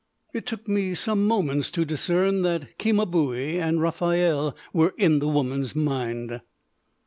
It took me some moments to discern that Cimabue and Raphael were in the woman's mind.